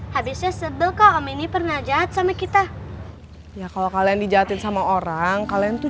hadisnya sebel kok om ini pernah jahat sama kita ya kalau kalian dijatuhin sama orang kalian tuh